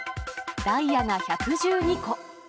ダイヤが１１２個。